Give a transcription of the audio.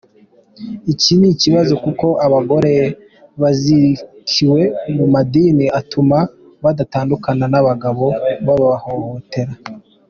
Iki ni ikibazo kuko abagore bazirikiwe mu madini atuma badatandukana n’abagabo babahohotera.